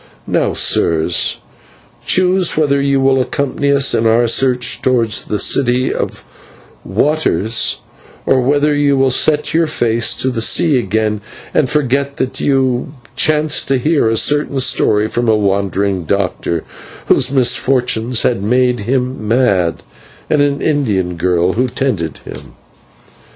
Now, sirs, choose whether you will accompany us in our march towards the City of Waters, or whether you will set your face to the sea again and forget that you chanced to hear a certain story from a wandering doctor, whose misfortunes had made him mad, and an Indian girl who tended him."